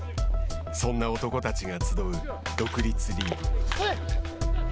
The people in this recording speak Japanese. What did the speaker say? そんな男たちが集う独立リーグ。